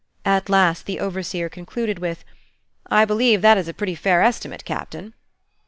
At last the overseer concluded with "I believe that is a pretty fair estimate, Captain."